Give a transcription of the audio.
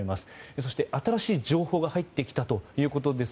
そして新しい情報が入ってきたということです。